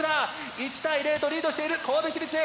１対０とリードしている神戸市立Ａ。